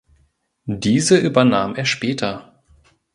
Diese übernahm er später.